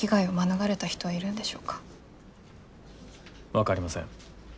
分かりません。